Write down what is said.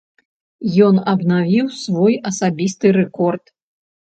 Ён абнавіў свой асабісты рэкорд.